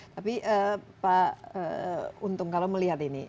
tapi pak untung kalau melihat ini